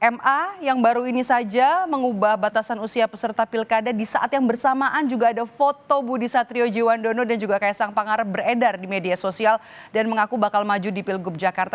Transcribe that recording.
ma yang baru ini saja mengubah batasan usia peserta pilkada di saat yang bersamaan juga ada foto budi satriojiwandono dan juga kaisang pangare beredar di media sosial dan mengaku bakal maju di pilgub jakarta